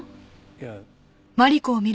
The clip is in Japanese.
いや。